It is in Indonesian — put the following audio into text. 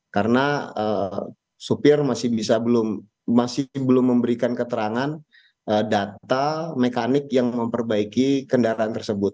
karena supir masih belum memberikan keterangan data mekanik yang memperbaiki kendaraan tersebut